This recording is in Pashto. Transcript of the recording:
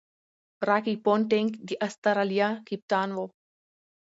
راكي پونټنګ د اسټرالیا کپتان وو.